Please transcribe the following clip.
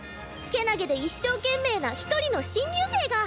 けなげで一生懸命な一人の新入生が！